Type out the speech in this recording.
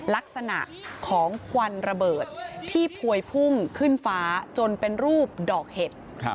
ลักษณะของควันระเบิดที่พวยพุ่งขึ้นฟ้าจนเป็นรูปดอกเห็ด